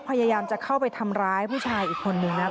พยายามจะเข้าไปทำร้ายผู้ชายอีกคนนึงนะครับ